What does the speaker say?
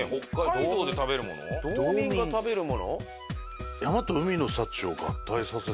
「道民が食べるもの？」